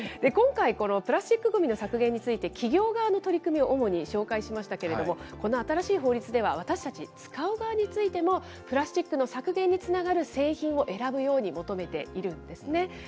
今回、プラスチックごみの削減について、企業側の取り組みを主に紹介しましたけれども、この新しい法律では、私たち、使う側についてもプラスチックの削減につながる製品を選ぶように求めているんですね。